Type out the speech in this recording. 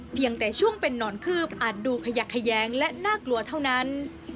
เพียงแต่ช่วงเป็นนอนคืบอาจดูขยักแขยงและน่ากลัวเท่านั้น